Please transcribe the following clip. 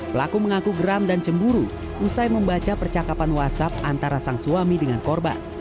pelaku mengaku geram dan cemburu usai membaca percakapan whatsapp antara sang suami dengan korban